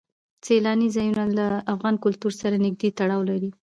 سیلاني ځایونه له افغان کلتور سره نږدې تړاو لري.